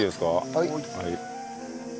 はい。